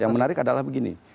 yang menarik adalah begini